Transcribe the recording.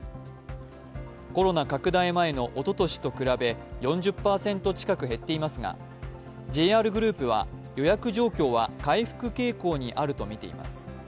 コロナ拡大前のおととしと比べ４０％近く減っていますがＪＲグループは予約状況は回復傾向にあるとしています。